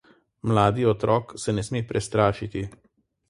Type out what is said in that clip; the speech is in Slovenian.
Mladi otrok se ne sme prestrašiti.